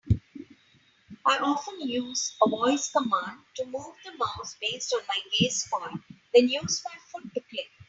I often use a voice command to move the mouse based on my gaze point, then use my foot to click.